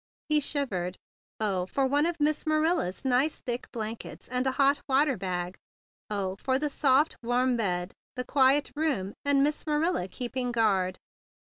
He shivered. Oh, for one of Miss Marilla's nice thick blankets, and a hot water bag! Oh, for the soft, warm bed, the quiet room, and Miss Marilla keeping guard!